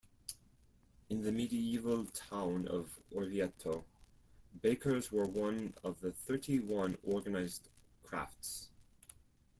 In the medieval town of Orvieto, bakers were one of the thirty-one organized crafts.